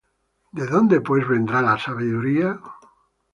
¿De dónde pues vendrá la sabiduría?